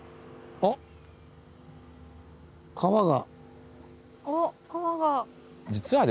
あっ川が。